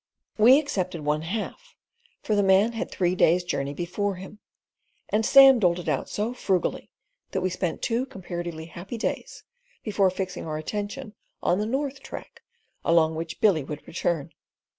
We accepted one half, for the man had a three days, journey before him, and Sam doled it out so frugally that we spent two comparatively happy days before fixing our attention on the north track, along which Billy would return.